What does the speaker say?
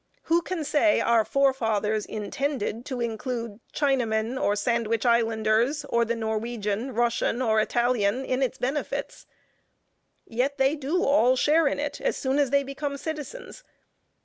Who can say our forefathers intended to include Chinamen, or Sandwich Islanders, or the Norwegian, Russian, or Italian in its benefits? Yet they do all share in it as soon as they become citizens.